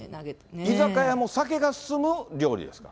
居酒屋も酒が進む料理ですから。